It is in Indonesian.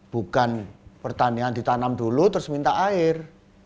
bukan pertanian ditanam dulu terus minta air